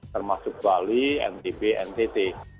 termasuk bali ntb ntt